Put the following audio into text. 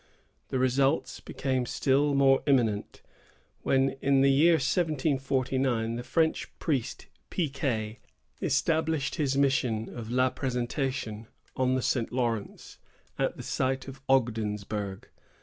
This result became still more imminent, when, in the year 1749, the French priest Picquet established his mission of La Présentation on the St. Lawrence, at the site of Ogdensburg.